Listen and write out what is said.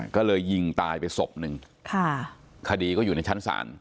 ก็เลยยิงตายไปศพหนึ่งคดีก็อยู่ในชั้นศาล